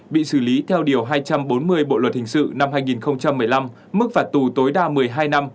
bị xử lý theo điều hai trăm bốn mươi bộ luật hình sự năm hai nghìn một mươi năm mức phạt tù tối đa một mươi hai năm